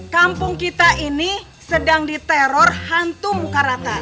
kampung kita ini sedang diteror hantu muka rata